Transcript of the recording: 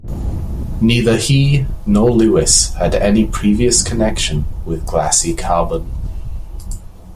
Neither he nor Lewis had any previous connection with glassy carbon.